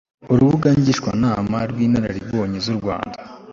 urubuga ngishwanama rw'inararibonye z'u rwanda